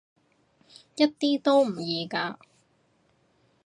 一啲都唔易㗎